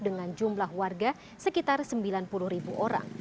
dengan jumlah warga sekitar sembilan puluh ribu orang